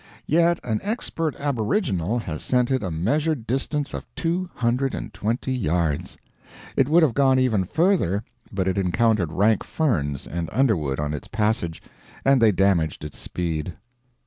Yet an expert aboriginal has sent it a measured distance of two hundred and twenty yards. It would have gone even further but it encountered rank ferns and underwood on its passage and they damaged its speed.